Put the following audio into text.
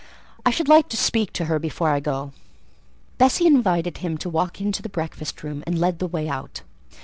"I should like to speak to her before I go." Bessie invited him to walk into the breakfast room, and led the way out.